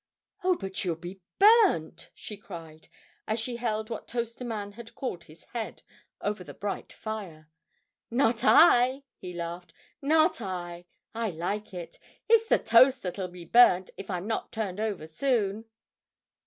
"Oh, you'll be burnt!" she cried, as she held what Toaster Man had called his head over the bright fire. "Not I," he laughed, "not I. I like it. It's the toast that'll be burnt, if I'm not turned over soon."